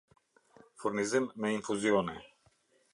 Furnizim me Infuzione